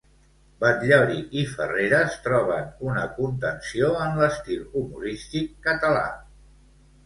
Batllori i Ferreres troben una contenció en l'estil humorístic català.